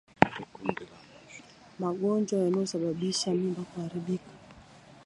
Magonjwa yanayosababisha mimba kuharibika